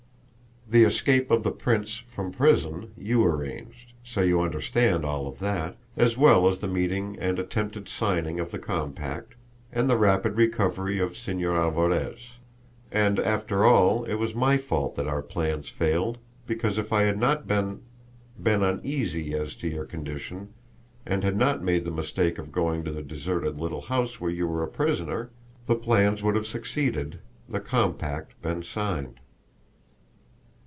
The escape of the prince from prison you arranged, so you understand all of that, as well as the meeting and attempted signing of the compact, and the rapid recovery of Señor Alvarez. And, after all, it was my fault that our plans failed, because if I had not been been uneasy as to your condition and had not made the mistake of going to the deserted little house where you were a prisoner, the plans would have succeeded, the compact been signed."